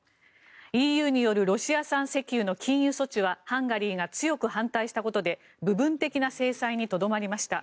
ＥＵによるロシア産石油の禁輸措置はハンガリーが強く反対したことで部分的な制裁にとどまりました。